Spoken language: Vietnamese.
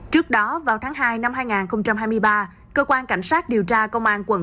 trước đó vào tháng hai năm hai nghìn hai mươi ba cơ quan cảnh sát điều tra công an quận